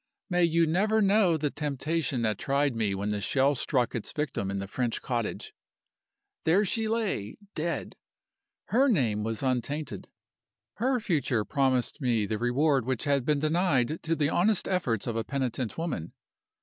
May you never know the temptation that tried me when the shell struck its victim in the French cottage! There she lay dead! Her name was untainted. Her future promised me the reward which had been denied to the honest efforts of a penitent woman.